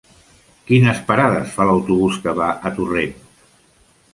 Quines parades fa l'autobús que va a Torrent?